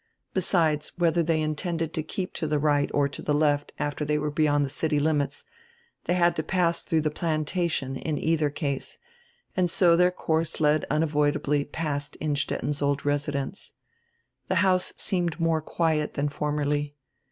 Besides, whedier they intended to keep to die right or to die left after tiiey were beyond die city limits, tiiey had to pass through die "Plantation" in either case, and so dieir course led un avoidably past Innstetten's old residence. The house seemed more quiet dian formerly.